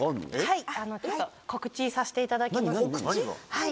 はい。